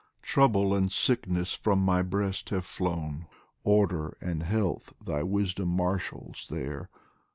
Trouble and sickness from my breast have flown, Order and health thy wisdom marshals there.